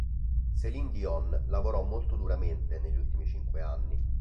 Céline Dion lavorò molto duramente negli ultimi cinque anni.